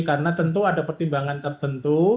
karena tentu ada pertimbangan tertentu